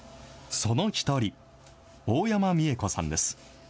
その一人、大山美惠子さんです。